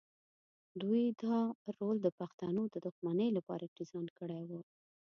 دوی دا رول د پښتنو د دښمنۍ لپاره ډیزاین کړی و.